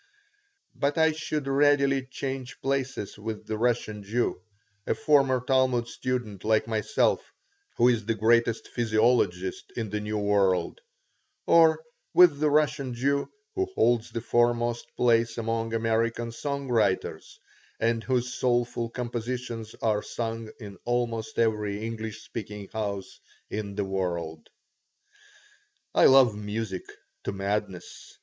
But I should readily change places with the Russian Jew, a former Talmud student like myself, who is the greatest physiologist in the New World, or with the Russian Jew who holds the foremost place among American song writers and whose soulful compositions are sung in almost every English speaking house in the world. I love music to madness.